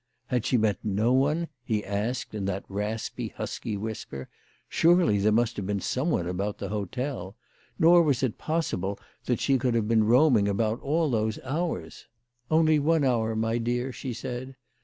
"Had she met no one ?" he asked in that raspy, husky whisper. " Surely there must have been some one about the hotel ! Nor was it possible that she could have been roaming about all those hours." "Only CHRISTMAS AT THOMPSON HALL. 225 one hour, my dear," she said.